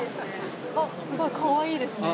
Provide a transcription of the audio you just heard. すごいかわいいですね。